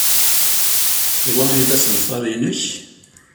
D wa ay d asenfar-nnek?